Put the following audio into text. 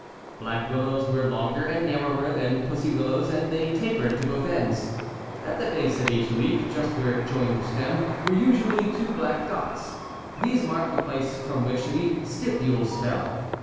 Black Willow's were longer and narrower than Pussy Willow's and they tapered to both ends (Fig. lo). At the base of each leaf just where it joined the stem were usu ally two black dots. These marked the place from which the stipules fell.